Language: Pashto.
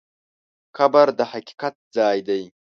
قبر د حقیقت ځای دی.